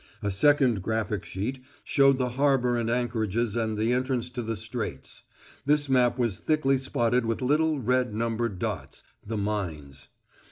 A second graphic sheet showed the harbor and anchorages and the entrance to the straits; this map was thickly spotted with little, red, numbered dots the mines.